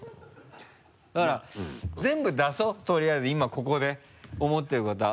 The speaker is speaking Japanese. だから全部出そうとりあえず今ここで思ってることは。